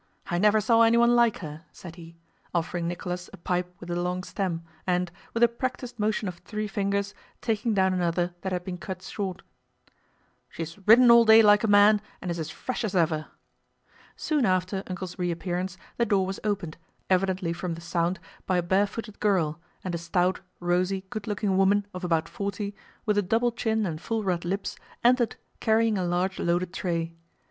I never saw anyone like her!" said he, offering Nicholas a pipe with a long stem and, with a practiced motion of three fingers, taking down another that had been cut short. "She's ridden all day like a man, and is as fresh as ever!" Soon after "Uncle's" reappearance the door was opened, evidently from the sound by a barefooted girl, and a stout, rosy, good looking woman of about forty, with a double chin and full red lips, entered carrying a large loaded tray.